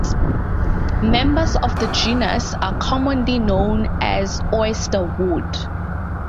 Members of the genus are commonly known as oysterwood.